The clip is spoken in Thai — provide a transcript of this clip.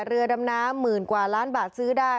เรือดำน้ำหมื่นกว่าล้านบาทซื้อได้